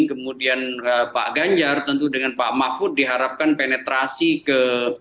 kemudian pak ganjar tentu dengan pak mahfud diharapkan penetrasi ke